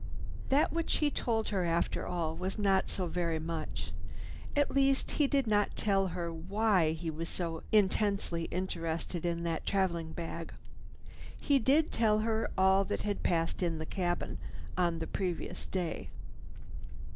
That which he told her after all was not so very much—at least he did not tell her why he was so intensely interested in that traveling bag. He did tell her all that had passed in that cabin on the previous day.